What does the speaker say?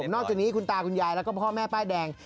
นอกจากนี้คุณตาคุณยายแล้วก็พ่อแม่ป้ายแดง